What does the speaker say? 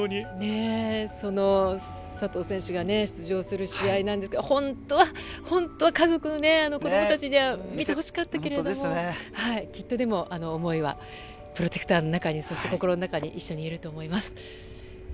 その佐藤選手が出場する試合ですけれども本当は家族や子供達には見てほしかったと思うんですけどきっと思いはプロテクターの中にそして、心の中に一緒にいると思います。